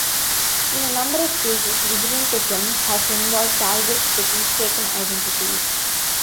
In a number of cases, vigilantism has involved targets with mistaken identities.